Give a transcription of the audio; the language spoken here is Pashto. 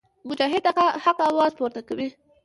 مجاهد د حق اواز پورته کوي.